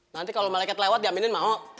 nanti kalau meleket lewat diaminin mau